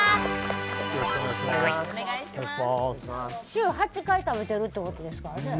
週８回食べてるってことですからね。